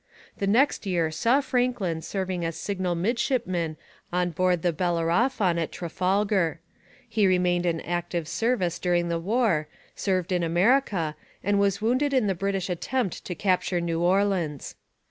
The next year saw Franklin serving as signal midshipman on board the Bellerophon at Trafalgar. He remained in active service during the war, served in America, and was wounded in the British attempt to capture New Orleans.